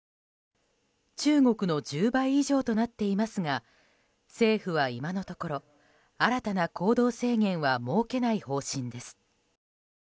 中国の１０倍以上となっていますが政府は今のところ、新たな行動制限は設けない方針です。